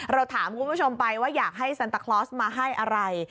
เราถามคุณผู้ชมไปว่าอยากให้ซันตาคลอสมาให้อะไร